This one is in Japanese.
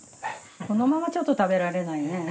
このままちょっと食べられないね。